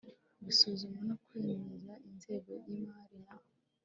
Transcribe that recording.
gusuzuma no kwemeza ingengo y imari na